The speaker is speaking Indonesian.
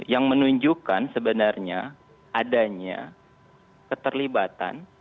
yang menunjukkan sebenarnya adanya keterlibatan